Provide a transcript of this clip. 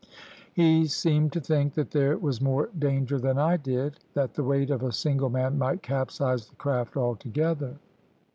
"He seemed to think that there was more danger than I did that the weight of a single man might capsize the craft altogether.